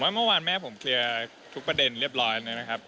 เมื่อวานแม่ผมเคลียร์ทุกประเด็นเรียบร้อยเลยนะครับ